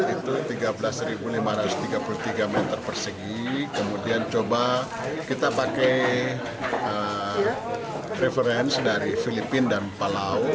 itu tiga belas lima ratus tiga puluh tiga meter persegi kemudian coba kita pakai reference dari filipina dan palau